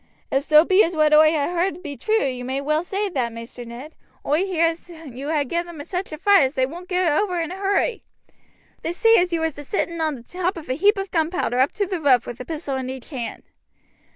"If so be as what oi ha' heard be true you may well say that, Maister Ned. Oi hear as you ha' gived 'em such a fright as they won't get over in a hurry. They say as you was a sitting on the top of a heap of gunpowder up to the roof with a pistol in each hand."